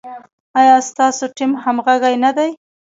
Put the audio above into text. ایا ستاسو ټیم همغږی نه دی؟